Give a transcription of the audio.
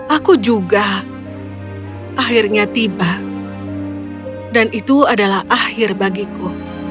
aku juga akhirnya tiba dan itu adalah akhir bagiku